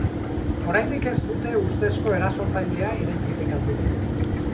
Oraindik ez dute ustezko erasotzailea identifikatu.